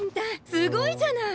すごいじゃない！